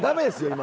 今。